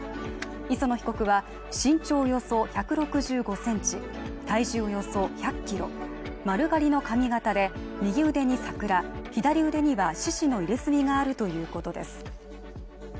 磯野被告は身長およそ１６５ｃｍ、体重およそ１００ｋｇ丸刈りの髪形で、右腕に桜、左腕には獅子の入れ墨があるということです。